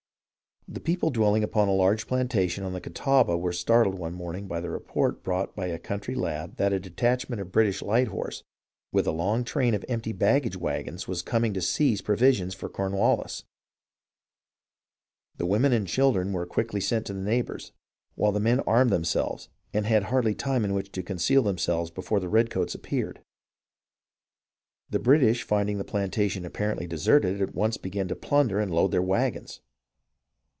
The people dwelling upon a large plantation on the Catawba were startled one morning by the report brought by a country lad that a detachment of British light horse with a long train of empty baggage vi^agons was coming to seize provisions for Cornwallis. The women and chil dren were quickly sent to the neighbours', while the men armed themselves and had hardly time in which to con ceal themselves before the redcoats appeared. The British finding the plantation apparently deserted at once began to plunder and load their wagons.